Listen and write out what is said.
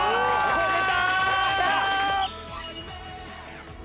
止めた！